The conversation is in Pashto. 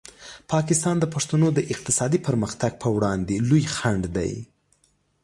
پاکستان د پښتنو د اقتصادي پرمختګ په وړاندې لوی خنډ دی.